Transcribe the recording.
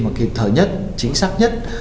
mà kịp thời nhất chính xác nhất